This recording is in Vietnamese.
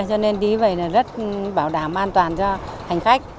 cho nên đi vậy là rất bảo đảm an toàn cho hành khách